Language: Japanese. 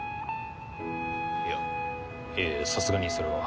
いやいえいえさすがにそれは。